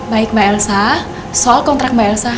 baik mbak elsa soal kontrak mbak elsa